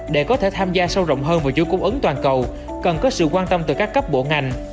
để có thể tham gia sâu rộng hơn vào chuỗi cung ứng toàn cầu cần có sự quan tâm từ các cấp bộ ngành